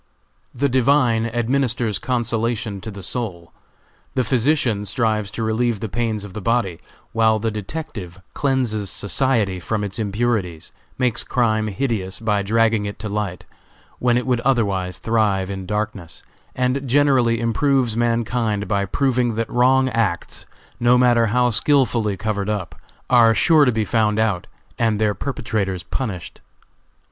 The Divine administers consolation to the soul; the physician strives to relieve the pains of the body; while the detective cleanses society from its impurities, makes crime hideous by dragging it to light, when it would otherwise thrive in darkness, and generally improves mankind by proving that wrong acts, no matter how skilfully covered up, are sure to be found out, and their perpetrators punished.